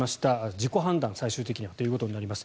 自己判断、最終的にはということになります。